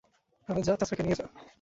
হ্যাঁ যা, চাচাকে নিয়ে আয়।